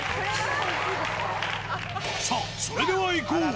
さあ、それではいこう。